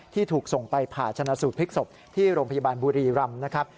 ที่ถูกส่งไปผ่าชนะสูตรพลิกศพที่โรงพยาบาลบุรีรำนะครับ